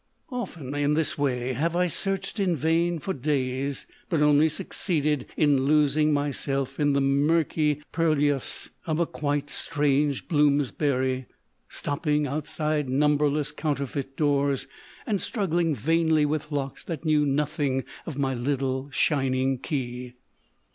THE OLD MAN OF VISIONS 273 Often, in this way, have I searched in vain for days, but only succeeded in losing myself in the murky purlieus of a quite strange Bloomsbury ; stopping outside numberless counterfeit doors, and struggling vainly with locks that knew nothing of my little shining key.